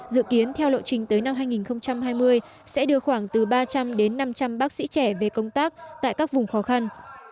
dự kiến theo lộ trình tới năm hai nghìn hai mươi sẽ đưa khoảng từ ba trăm linh đến năm trăm linh bác sĩ trẻ về công tác tại các vùng khó khăn